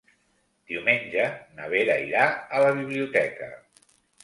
Diumenge na Vera irà a la biblioteca.